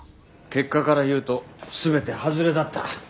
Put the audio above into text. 結果から言うと全て外れだった。